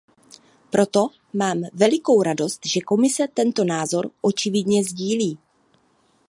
Proto mám velikou radost, že Komise tento názor očividně sdílí.